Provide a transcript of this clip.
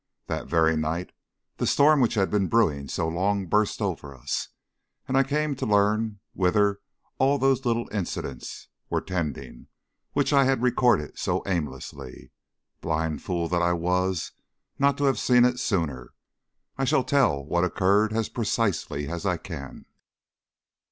That very night the storm which had been brewing so long burst over us, and I came to learn whither all those little incidents were tending which I had recorded so aimlessly. Blind fool that I was not to have seen it sooner! I shall tell what occurred as precisely as I can.